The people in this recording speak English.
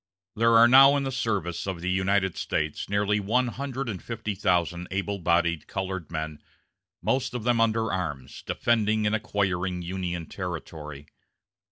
There are now in the service of the United States nearly one hundred and fifty thousand able bodied colored men, most of them under arms, defending and acquiring Union territory.